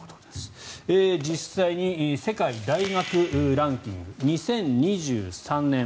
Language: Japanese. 実際に世界の大学ランキング２０２３年。